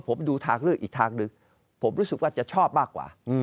ผมรู้สึกว่าจะชอบมากกว่า